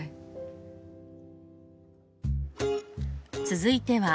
続いては。